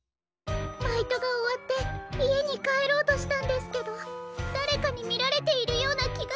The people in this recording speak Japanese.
バイトがおわっていえにかえろうとしたんですけどだれかにみられているようなきがするんですの！